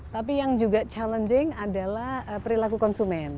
tapi yang juga challenging adalah perilaku konsumen